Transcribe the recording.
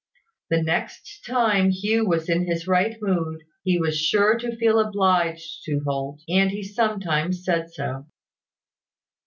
The next time Hugh was in his right mood, he was sure to feel obliged to Holt; and he sometimes said so.